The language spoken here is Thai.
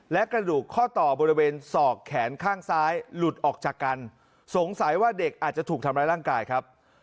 และกระดูกข้อต่อบริเวณศอกแขนข้างซ้ายหลุดออกจากกันสงสัยว่าเด็กอาจจะถูกทำร้ายร่างกายครับ